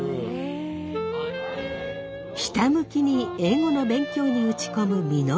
ひたむきに英語の勉強に打ち込む稔。